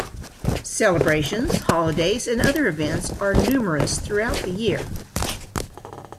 Celebrations, holidays and other events are numerous throughout the year.